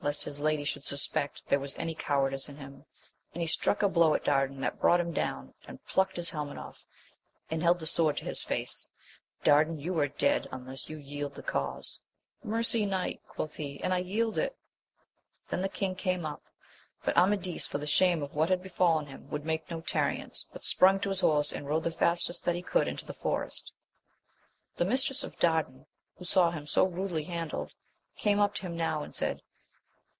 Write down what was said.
st his lady should suspect there was any cowardice in him, and he struck a blow at Dardan that brought him down; and plucked his helmet off, and held the sword to his face, — Dardan^ you are dead, unless you yield the cause ! Mercy, knight ! quoth he, and I yield it. Then the king came up ; but Amadis, for the shame of what had befallen him, would make no tarriance, but sprung to his horse, and rode the fastest that he could into the forest. The mistress of Dardan, who saw him so rudely handled, came up to him now and said.